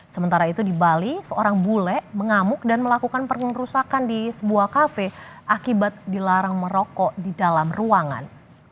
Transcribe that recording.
sementara itu di bali seorang bule mengamuk dan melakukan pengerusakan di sebuah kafe akibat dilarang merokok di dalam ruangan